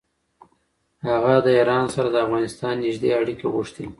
هغه د ایران سره د افغانستان نېږدې اړیکې غوښتې.